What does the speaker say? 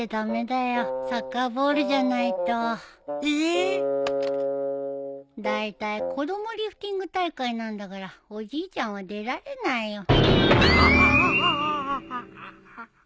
だいたい子どもリフティング大会なんだからおじいちゃんは出られないよ。